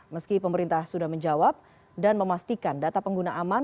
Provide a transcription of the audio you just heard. meski pemerintah sudah menjawab dan memastikan data pengguna aman